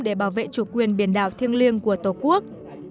để bảo vệ chủ quyền biển đảo thiêng liêng của tổ quốc